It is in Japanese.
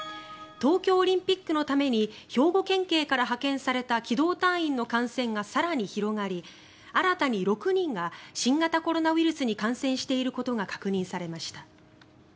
東京オリンピックのために兵庫県警から派遣された機動隊員の感染が更に広がり新たに６人が新型コロナウイルスに感染していることが確認されました。